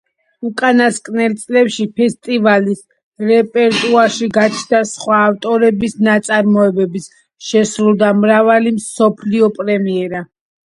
უკანასკნელ წლებში ფესტივალის რეპერტუარში გაჩნდა სხვა ავტორების ნაწარმოებებიც, შესრულდა მრავალი მსოფლიო პრემიერა.